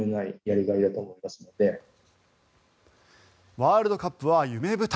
ワールドカップは夢舞台。